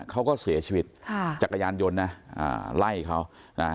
เขาก็เสียชีวิตค่ะจักรยานยนต์นะอ่าไล่เขานะฮะ